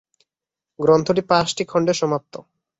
গ্রন্থটি পাঁচটি খণ্ডে সমাপ্ত।